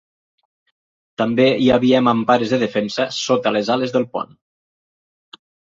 També hi havia mampares de defensa sota les ales del pont.